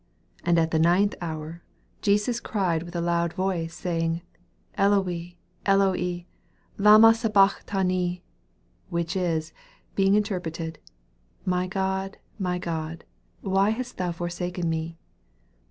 34 And at the ninth hour Jesus cried with a loud voice, saying, Eloi, Eloi, lama sabacthani? which is, be ing interpreted, My God, my God, why hast thou forsaken me